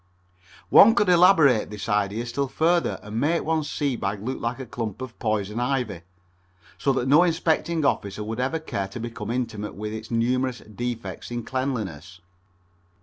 One could elaborate this idea still further and make one's sea bag look like a clump of poison ivy, so that no inspecting officer would ever care to become intimate with its numerous defects in cleanliness.